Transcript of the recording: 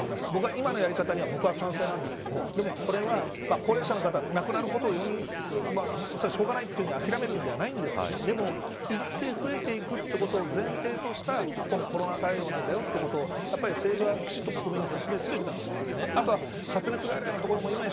今のやり方には僕は賛成なんですが高齢者の方が亡くなることを容認するそれは、しょうがないと諦めるんではないんですがでも、一定増えていくことを前提としたコロナ対応なんだよということを政治が、きちんと国民に説明すべきだと思います。